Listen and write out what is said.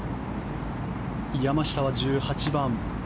山下は１８番。